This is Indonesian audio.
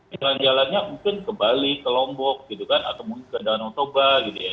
jalan jalannya mungkin ke bali ke lombok gitu kan atau mungkin ke danau toba gitu ya